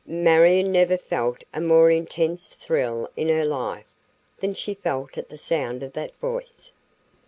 Marion never felt a more intense thrill in her life than she felt at the sound of that voice.